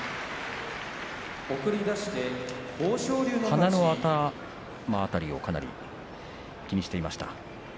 鼻の頭辺りをかなり気にしていました。